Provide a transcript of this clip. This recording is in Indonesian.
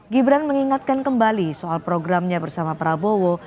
gibran mengingatkan kembali soal programnya bersama prabowo